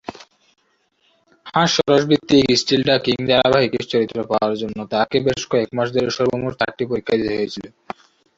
হাস্যরস ভিত্তিক "still the king" ধারাবাহিকে চরিত্র পাওয়ার জন্য তাকে বেশ কয়েক মাস ধরে সর্বমোট চারটি পরীক্ষা দিতে হয়েছিল।